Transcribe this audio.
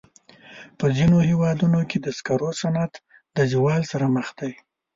په ځینو هېوادونو کې د سکرو صنعت د زوال سره مخ دی.